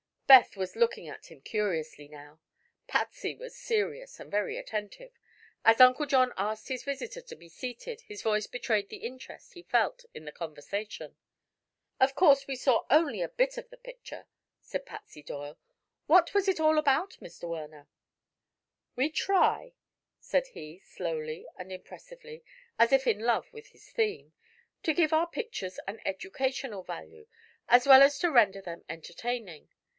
Beth was looking at him curiously now. Patsy was serious and very attentive. As Uncle John asked his visitor to be seated his voice betrayed the interest he felt in the conversation. "Of course we saw only a bit of the picture," said Patsy Doyle. "What was it all about, Mr. Werner?" "We try," said he, slowly and impressively, as if in love with his theme, "to give to our pictures an educational value, as well as to render them entertaining.